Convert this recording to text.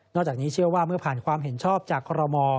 จากนี้เชื่อว่าเมื่อผ่านความเห็นชอบจากคอรมอ